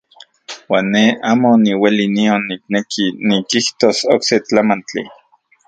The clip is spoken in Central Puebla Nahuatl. Uan ne amo niueli nion nikneki nikijtos okse tlamantli.